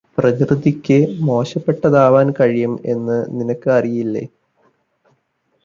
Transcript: പ്രകൃതിക്ക് മോശപ്പെട്ടതാവാൻ കഴിയും എന്ന് നിനക്ക് അറിയില്ലേ